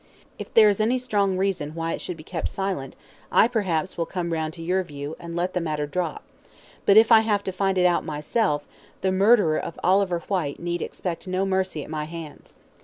If there is any strong reason why it should be kept silent, I perhaps, will come round to your view, and let the matter drop; but if I have to find it out myself, the murderer of Oliver Whyte need expect no mercy at my hands.